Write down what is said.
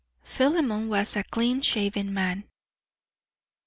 Philemon was a clean shaven man.